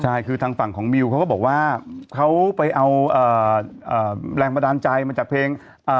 ใช่คือทางฝั่งของมิวเขาก็บอกว่าเขาไปเอาเอ่อแรงบันดาลใจมาจากเพลงอ่า